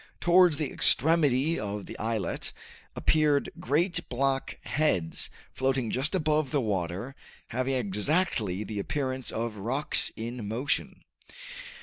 Towards the extremity of the islet appeared great black heads floating just above the water, having exactly the appearance of rocks in motion.